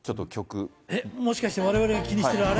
えっ、もしかしてわれわれが気にしてるあれ？